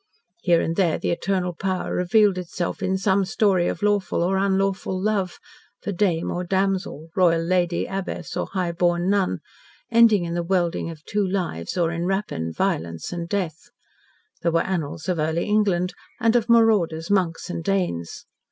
Here and there the eternal power revealed itself in some story of lawful or unlawful love for dame or damsel, royal lady, abbess, or high born nun ending in the welding of two lives or in rapine, violence, and death. There were annals of early England, and of marauders, monks, and Danes.